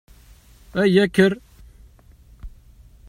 Aya! Kker!